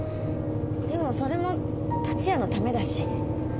でもそれも達也のためだし。